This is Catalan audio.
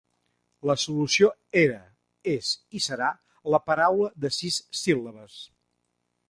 La solució era, és, i serà, la paraula de sis síl·labes.